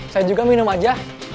saya juga minum aja